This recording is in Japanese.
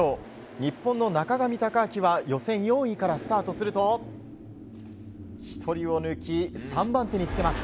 日本の中上貴晶は予選４位からスタートすると１人を抜き、３番手につけます。